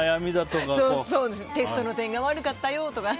テストの点が悪かったよとか。